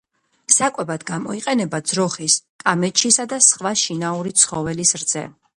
საკვებად გამოიყენება ძროხის, კამეჩის და სხვა შინაური ცხოველის რძე.